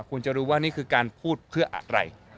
คุณจะรู้ว่านี่คือการพูดเพื่ออะไร